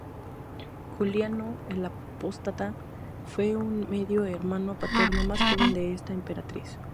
Juliano el Apóstata fue un medio hermano paterno más joven de esta emperatriz.